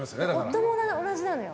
夫も同じなのよ。